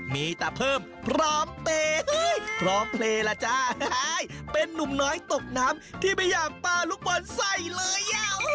มีแต่เพิ่มพร้อมเตะพร้อมเพลย์ล่ะจ้าเป็นนุ่มน้อยตกน้ำที่ไม่อยากปลาลูกบอลใส่เลย